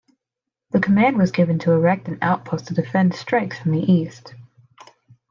The command was given to erect an outpost to defend strikes from the east.